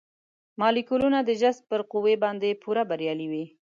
مالیکولونه د جذب پر قوې باندې پوره بریالي وي.